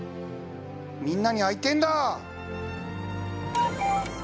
みんなに会いてえんだ！